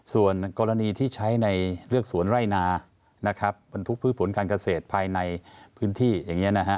ส่วนกรณีที่ใช้ในเลือกสวนไล่นาทุกพื้นผลการเกษตรภายในพื้นที่อย่างนี้